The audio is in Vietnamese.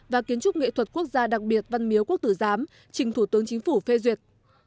và kiến trúc nghệ thuật quốc gia đặc biệt văn miếu quốc tử giám trình thủ tướng chính phủ phê duyệt